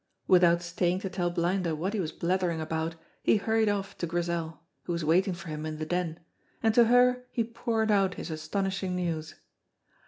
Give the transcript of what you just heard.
Without staying to tell Blinder what he was blethering about, he hurried off to Grizel, who was waiting for him in the Den, and to her he poured out his astonishing news.